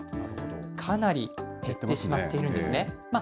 かなり減ってしまっているんですね。